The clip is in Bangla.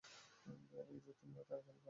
এই যে তোমরা, তাড়াতাড়ি পা চালাও, ঠিক আছে?